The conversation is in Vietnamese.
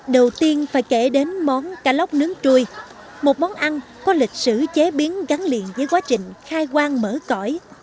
đầu tiên phải kể đến món cá lóc nướng chui một món ăn có lịch sử chế biến gắn liền với quá trình khai quang mở cõi